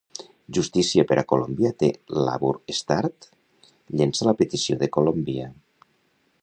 Justícia per a Colombia té "LabourStart llença la petició de Colombia".